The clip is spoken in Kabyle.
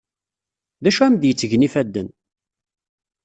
D acu am-d-yettgen ifadden?